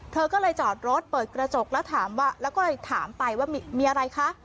เธอก็เลยจอดรถเปิดกระจกแล้วถามว่าแล้วก็เลยถามไปว่ามีอะไรคะ